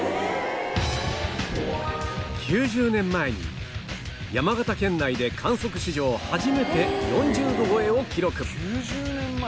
９０年前に山形県内で観測史上初めて４０度超えを記録